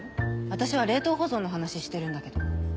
私は冷凍保存の話してるんだけど。